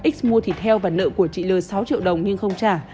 x mua thịt heo và nợ của chị t d l sáu triệu đồng nhưng không trả